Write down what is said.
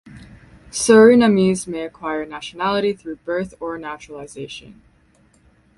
Surinamese may acquire nationality through birth or naturalization.